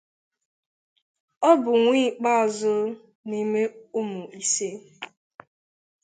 Ọ bụ nwa ikpeazụ n'ime ụmụ ise.